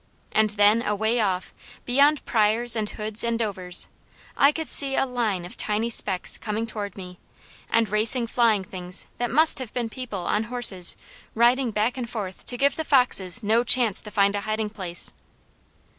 And then away off, beyond Pryors', and Hoods', and Dovers', I could see a line of tiny specks coming toward me, and racing flying things that must have been people on horses riding back and forth to give the foxes no chance to find a hiding place.